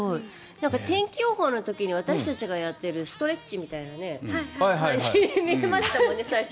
天気予報の時に私たちがやっているストレッチのように見えましたもんね、最初。